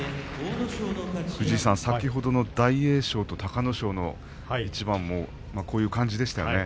先ほどの大栄翔と隆の勝の一番もこういう感じでしてね。